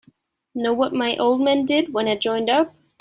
Know what my old man did when I joined up?